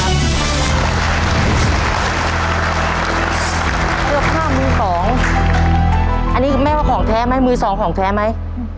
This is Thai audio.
เสื้อผ้ามือ๒อันนี้แม่ว่าของแท้มั้ยมือ๒ของแท้มั้ย